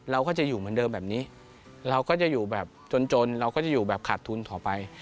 เราก็จะอยู่เหมือนเดิมแบบนี้เราก็จะอยู่แบบจนเราก็จะอยู่แบบขาดทุนต่อไป